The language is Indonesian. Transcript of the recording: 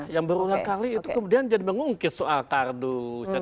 yang berulang kali itu kemudian jadi mengungkis soal kardus